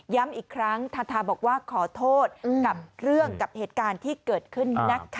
อีกครั้งทาทาบอกว่าขอโทษกับเรื่องกับเหตุการณ์ที่เกิดขึ้นนะคะ